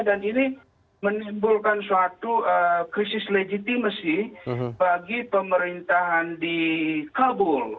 dan ini menimbulkan suatu krisis legitimasi bagi pemerintahan di kabul